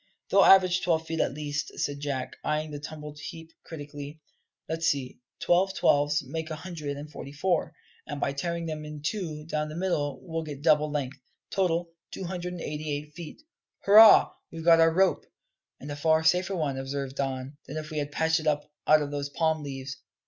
"They'll average twelve feet at least," said Jack, eyeing the tumbled heap critically. "Let's see twelve twelves make a hundred and forty four; and by tearing them in two down the middle we'll get double length. Total, two hundred and eighty eight feet. Hurrah, we've got our rope!" "And a far safer one," observed Don, "than if we had patched it up out of those palm leaves.